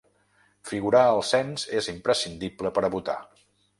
Figurar al cens és imprescindible per a votar.